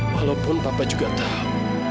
walaupun papa juga tahu